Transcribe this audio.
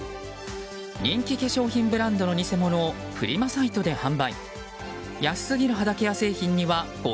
人気化粧品ブランドの偽物をフリマサイトで販売。